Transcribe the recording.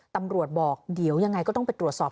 ตำรวจบอกเดี๋ยวยังไงก็ต้องไปตรวจสอบ